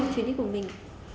chuyến đi cùng mình